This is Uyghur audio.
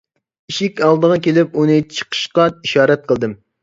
ئىشىك ئالدىغا كېلىپ ئۇنى چىقىشقا ئىشارەت قىلدىم.